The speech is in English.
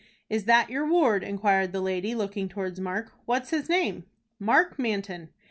"Is that your ward?" inquired the lady, looking towards Mark. "What is his name?" "Mark Manton."